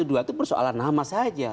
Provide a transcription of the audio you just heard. dua ratus dua belas itu persoalan nama saja